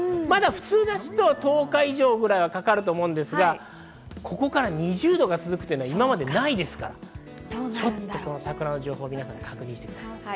普通ですと、１０日以上ぐらいかかると思うんですが、ここから２０度が続くというのは今までないですから、ちょっと桜の情報、皆さん確認してください。